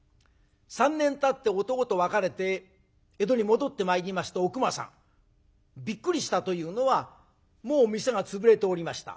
３年たって男と別れて江戸に戻ってまいりますとおくまさんびっくりしたというのはもう店が潰れておりました。